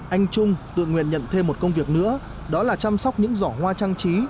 anh trung tự nguyện nhận thêm một công việc nữa đó là chăm sóc những giỏ hoa trang trí